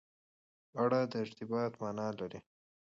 اړه د ارتباط معنا لري.